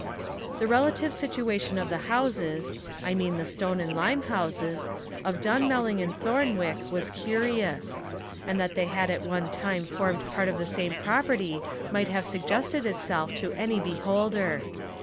The relative situation of the houses I mean the stone and lime houses of Durnmelling and Thornwick, was curious; and that they had at one time formed part of the same property might have suggested itself to any beholder.